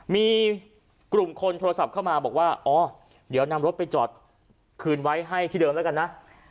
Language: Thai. มีกลุ่มคนโทรศัพท์เข้ามาบอกว่าอ๋อเดี๋ยวนำรถไปจอดคืนไว้ให้ที่เดิมแล้วกันนะ